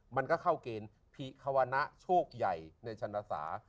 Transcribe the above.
มันก็เข้าเกณฑ์พิควระโชคใหญ่ในชนะสา